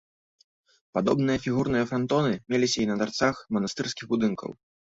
Падобныя фігурныя франтоны меліся і на тарцах манастырскіх будынкаў.